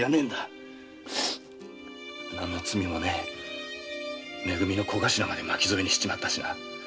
何の罪もないめ組の小頭まで巻き添えにしちまったしな。